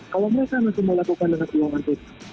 kalau mereka masih mau lakukan dengan uang itu